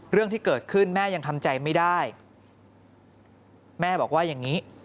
เรื่องที่เกิดขึ้นแม่ยังทำใจไม่ได้แม่บอกว่าอย่างนี้